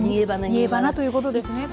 煮えばなということですねこれが。